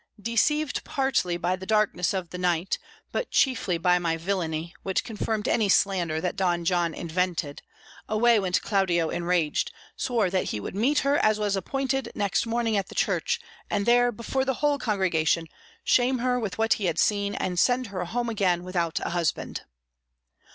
Deceived partly by the darkness of the night, but chiefly by my villainy, which confirmed any slander that Don John invented, away went Claudio enraged, swore he would meet her as was appointed next morning at the church, and there, before the whole congregation, shame her with what he had seen, and send her home again without a husband."